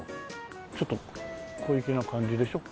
ちょっと小粋な感じでしょ。